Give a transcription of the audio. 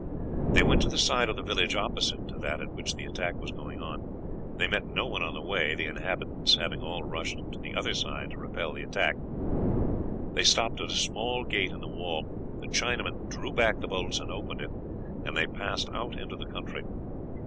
They went to the side of the village opposite to that at which the attack was going on. They met no one on the way, the inhabitants having all rushed to the other side to repel the attack. They stopped at a small gate in the wall, the Chinaman drew back the bolts and opened it, and they passed out into the country.